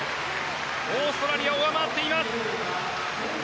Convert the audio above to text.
オーストラリアを上回っています。